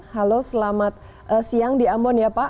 halo selamat siang di ambon ya pak